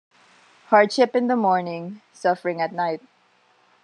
Hardship in the morning, suffering at night.